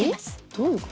どういう事？